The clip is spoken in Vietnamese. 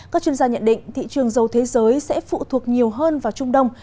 các chuyên gia nhận định thị trường dầu thế giới sẽ phụ thuộc nhiều hơn vào trung đông